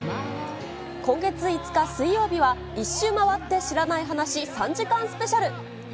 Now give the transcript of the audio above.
今月５日水曜日は、１周回って知らない話３時間スペシャル。